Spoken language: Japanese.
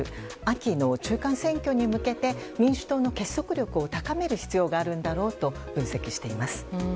秋の中間選挙に向けて民主党の結束力を高める必要があるのだろうと分析しています。